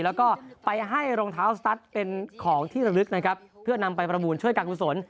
แล้วก็ไปให้รองเท้าสตัสเป็นของที่ระลึกนะครับเพื่อนำไปประมูลช่วยการกุศล